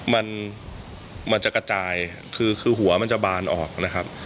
มันมันจะกระจายคือคือหัวมันจะบานออกนะครับ